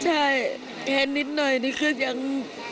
ใช่แค้นนิดหน่อยนี่คือยัง